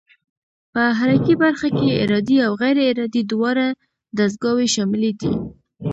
په حرکي برخه کې ارادي او غیر ارادي دواړه دستګاوې شاملې دي.